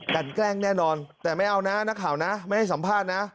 แกล้งแน่นอนแต่ไม่เอานะนักข่าวนะไม่ให้สัมภาษณ์นะ